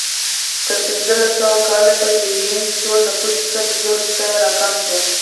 تر پنځلس سوه کال پورې د وینز ټول نفوس سل زرو ته راکم شو